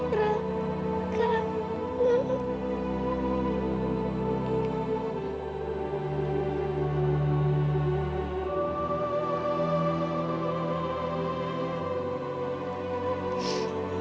jangan pergi lagi ya ibu